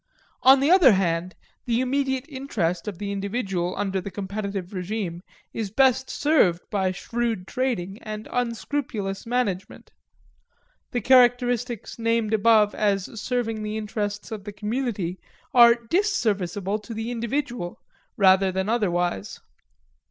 On the other hand, the immediate interest of the individual under the competitive regime is best served by shrewd trading and unscrupulous management. The characteristics named above as serving the interests of the community are disserviceable to the individual, rather than otherwise.